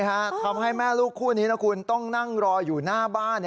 ทำให้แม่ลูกคู่นี้นะคุณต้องนั่งรออยู่หน้าบ้าน